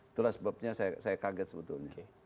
itulah sebabnya saya kaget sebetulnya